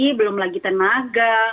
tapi belum lagi tenaga